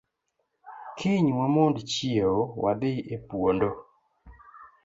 Kiny wamond chieo wadhii e puondo